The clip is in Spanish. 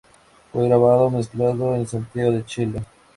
Fue grabado, mezclado en Santiago de Chile.